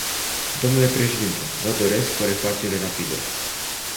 Domnule președinte, vă doresc o refacere rapidă.